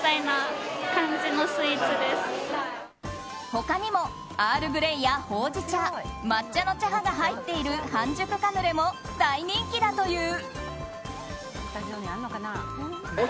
他にもアールグレイやほうじ茶抹茶の茶葉が入った半熟カヌレも大人気だという。